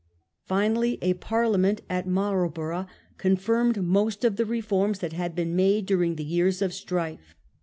Finally a parliament at Marlborough confirmed most of the reforms that had been made during the years of strife.